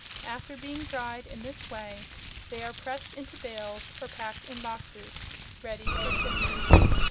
After being dried in this way they are pressed into bales or packed in boxes ready for shipment.